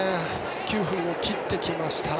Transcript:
９分を切ってきました。